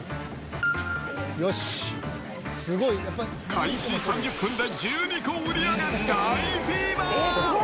開始３０分で１２個売り上げ、大フィーバー。